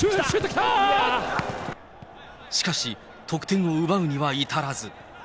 しかし、得点を奪うには至らず。